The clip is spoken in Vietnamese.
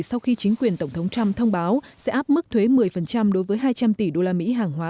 sau khi chính quyền tổng thống trump thông báo sẽ áp mức thuế một mươi đối với hai trăm linh tỷ đô la mỹ hàng hóa